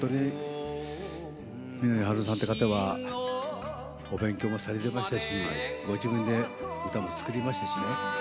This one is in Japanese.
三波春夫さんという方はお勉強もされていましたしご自分で歌も作りましたしね。